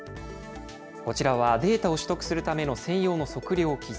こちらはデータを取得するための専用の測量機材。